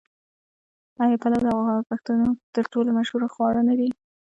آیا پلو د پښتنو تر ټولو مشهور خواړه نه دي؟